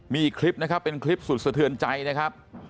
มีอีกคลิปนะครับเป็นคลิปสุดสะเทือนใจนะครับ